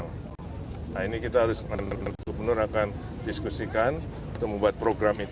nah ini kita harus gubernur akan diskusikan untuk membuat program itu